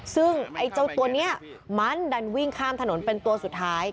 ซึ่งไอ้เจ้าตัวนี้มันดันวิ่งข้ามถนนเป็นตัวสุดท้าย